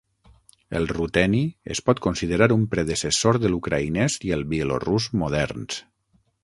El ruteni es pot considerar un predecessor de l'ucraïnès i el bielorús moderns.